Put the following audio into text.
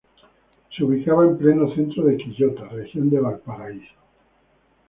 Se ubicaba en pleno centro de Quillota, región de Valparaiso.